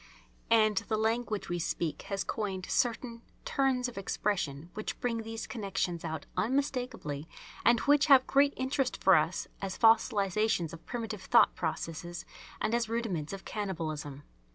And the language we speak has coined certain turns of expression which bring these connections out unmistakably and which have great interest for us as fossilisations of primitive thought processes and as rudiments of cannibalism.